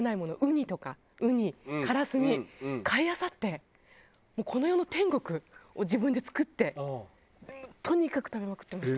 ウニカラスミ買いあさってこの世の天国を自分で作ってとにかく食べまくってました。